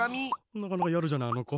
なかなかやるじゃないあのこ。